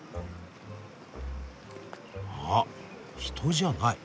あ人じゃない。